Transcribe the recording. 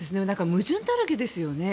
矛盾だらけですよね。